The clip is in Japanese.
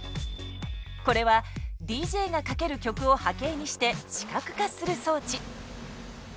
これはＤＪがかける曲を波形にして視覚化する装置。